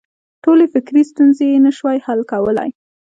ټولې فکري ستونزې یې نه شوای حل کولای.